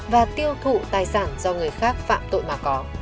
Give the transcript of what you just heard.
và tiêu thụ tài sản do người khác phạm tội mà có